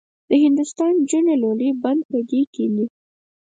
د هندوستان نجونې لولۍ بند به دې کیني.